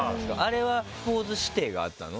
あれはポーズ指定があったの？